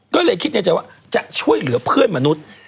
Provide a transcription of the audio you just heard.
ก็เลยคิดในใจว่าจะช่วยเหลือเพื่อนมนุษย์